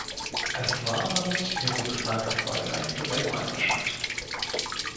Es war damit ihre bislang erfolgreichste Weltmeisterschaft.